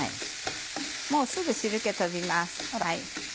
もうすぐ汁気飛びます。